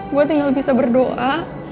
gue tinggal bisa berdoa